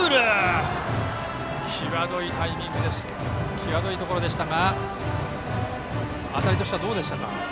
際どいところでしたが当たりとしてはどうでしたか。